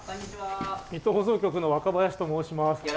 水戸放送局の若林と申します。